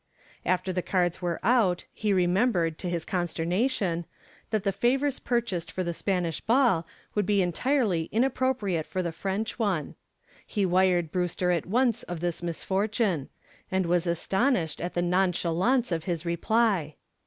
After the cards were out he remembered, to his consternation, that the favors purchased for the Spanish ball would be entirely inappropriate for the French one. He wired Brewster at once of this misfortune, and was astonished at the nonchalance of his reply.